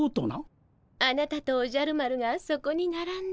あなたとおじゃる丸がそこにならんで。